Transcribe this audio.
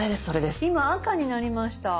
今赤になりました。